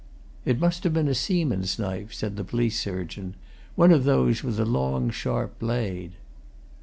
"It might have been a seaman's knife," said the police surgeon. "One of those with a long, sharp blade."